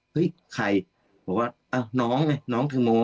เฮ้ยใครบอกว่าอ้าวน้องไงน้องแตงโม